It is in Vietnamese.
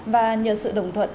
và nhờ sự đồng thuận